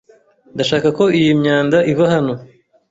Ndashaka ko iyi myanda iva hano.